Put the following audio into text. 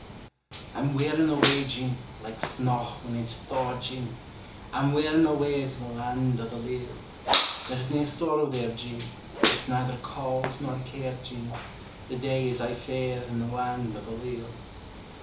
I'm wearing awa', Jean, Like snaw when it's thaw, Jean; I'm wearing awa', To the land o' the leal. There's nae sorrow there, Jean, There's neither cauld nor care, Jean, The day is aye fair In the land o' the leal.